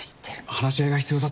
話し合いが必要だった。